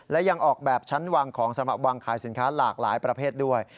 และยังออกแบบชั้นวางของสำหรับวางขายสินค้าหลากหลายประเภทด้วย